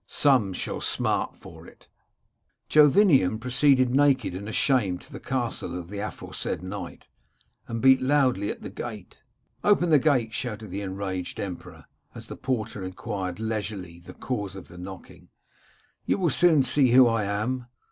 Some shall smart for it' "Jovinian proceeded naked and ashamed to the castle of the aforesaid knight, and beat loudly at the gate. * Open the gate,* shouted the enraged emperor, as the porter inquired leisurely the cause of the knocking, * you will soon see who I am.'